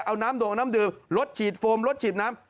เอาน้ำดงเอาน้ำดื่มลดฉีดโฟมรถฉีดน้ำ